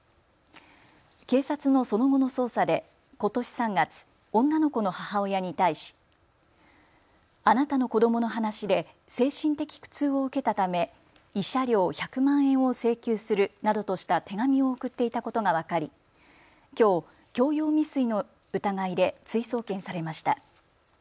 警察のその後の捜査でことし３月、女の子の母親に対しあなたの子どもの話で精神的苦痛を受けたため慰謝料１００万円を請求するなどとした手紙を送っていたことが分かりきょう強要未遂の疑いで追送検されました。